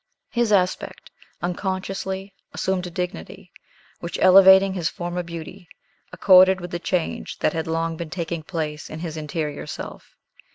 His aspect unconsciously assumed a dignity, which, elevating his former beauty, accorded with the change that had long been taking place in his interior self.